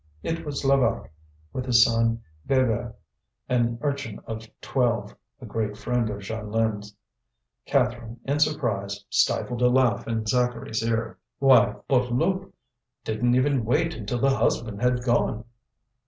It was Levaque, with his son Bébert, an urchin of twelve, a great friend of Jeanlin's. Catherine, in surprise, stifled a laugh in Zacharie's ear: "Why! Bouteloup didn't even wait until the husband had gone!"